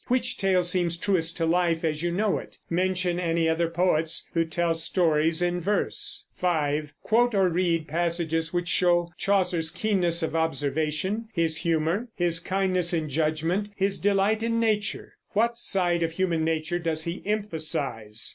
Which tale seems truest to life as you know it? Mention any other poets who tell stories in verse. 5. Quote or read passages which show Chaucer's keenness of observation, his humor, his kindness in judgment, his delight in nature. What side of human nature does he emphasize?